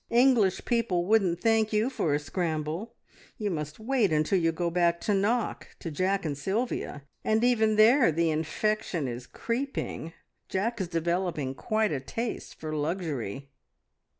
English people wouldn't thank you for a scramble. You must wait until you go back to Knock to Jack and Sylvia, and even there the infection is creeping. Jack is developing quite a taste for luxury."